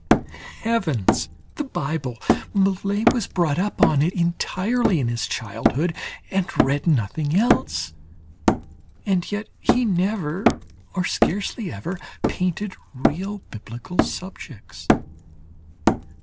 Heavens! the Bible! Millet was brought up on it entirely in his childhood, and read nothing else; and yet he never, or scarcely ever painted real Biblical subjects.